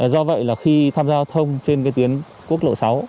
do vậy là khi tham gia giao thông trên cái tuyến quốc lộ sáu